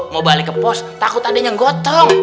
mau balik ke pos takut adanya gotong